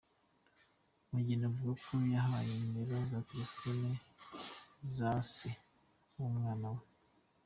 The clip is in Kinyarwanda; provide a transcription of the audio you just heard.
Mugeni avuga ko yahawe nimero za telefoni za se w’umwana we.